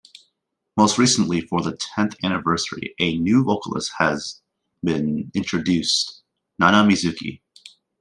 Most recently, for the tenth anniversary, a new vocalist has been introduced, Nana Mizuki.